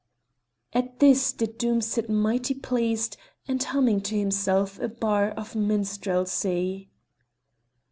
At this did Doom sit mighty pleased and humming to himself a bar of minstrelsy.